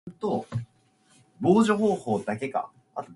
She's not in hip-hop, but it happens in hip-hop often.